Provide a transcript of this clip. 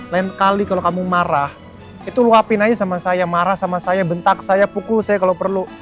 lain kali kalau kamu marah itu luapin aja sama saya marah sama saya bentak saya pukul saya kalau perlu